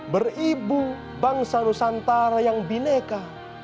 beribu bangsa nusantara yang bineka